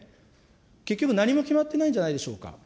結局何も決まってないんじゃないでしょうか。